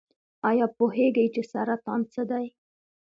ایا پوهیږئ چې سرطان څه دی؟